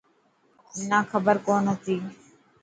منان کبر ڪون هتي.